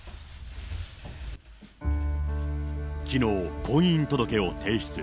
きのう、婚姻届を提出。